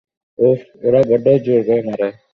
উফ, ওরা বড্ড জোরে মারে।